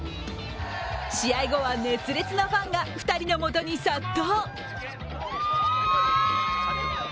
試合後は、熱烈なファンが２人のもとに殺到。